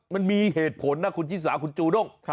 มันมีเหตุผลนะคุณชิสาคุณจูด้ง